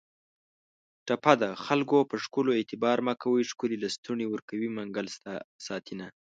ټپه ده: خکلو په ښکلو اعتبار مه کوی ښکلي لستوڼي ورکوي منګل ساتینه